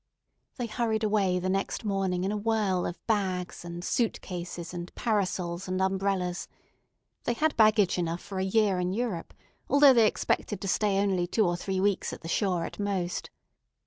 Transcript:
They hurried away the next morning in a whirl of bags and suitcases and parasols and umbrellas. They had baggage enough for a year in Europe, although they expected to stay only two or three weeks at the shore at most.